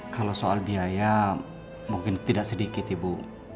kalau soal biaya mungkin tidak sedikit ibu